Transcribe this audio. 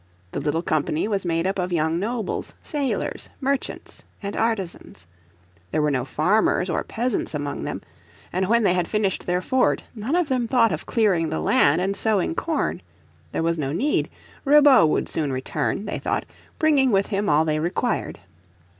The little company was made up of young nobles, sailors, merchants and artisans. There were no farmers or peasants among them, and when they had finished their fort none of them thought of clearing the land and sowing corn. There was no need: Ribaut would soon return, they thought, bringing with him all they required.